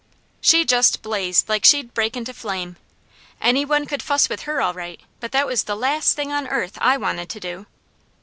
She just blazed like she'd break into flame. Any one could fuss with her all right; but that was the last thing on earth I wanted to do.